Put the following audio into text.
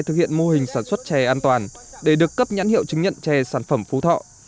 thực hiện mô hình sản xuất chè an toàn để được cấp nhãn hiệu chứng nhận chè sản phẩm phú thọ